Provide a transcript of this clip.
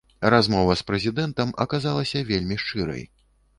Размова з прэзідэнтам аказалася вельмі шчырай.